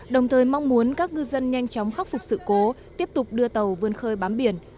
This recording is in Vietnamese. đồng thời mong muốn các ngư dân nhanh chóng khắc phục sự cố tiếp tục đưa tàu vươn khơi bám biển